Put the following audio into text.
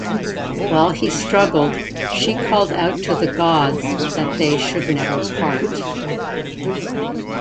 While he struggled, she called out to the gods that they should never part.